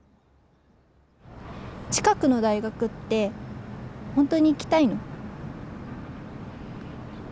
近くの大学って、本当に行きたいの？